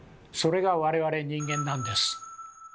それが我々人間なんです。